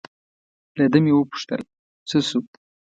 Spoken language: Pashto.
له ده مې و پوښتل: څه شو؟